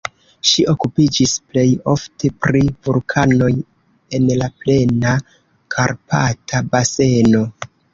Ŝi okupiĝis plej ofte pri vulkanoj en la plena Karpata baseno.